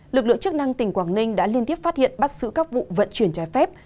lực lượng chức năng tỉnh quảng ninh đã liên tiếp phát hiện bắt giữ các vụ vận chuyển trái phép